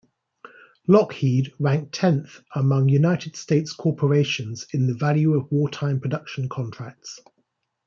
Lockheed ranked tenth among United States corporations in the value of wartime production contracts.